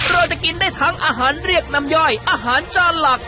เราจะกินได้ทั้งอาหารเรียกน้ำย่อยอาหารจานหลัก